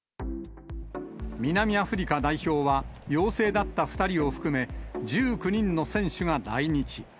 南アフリカ代表は、陽性だった２人を含め、１９人の選手が来日。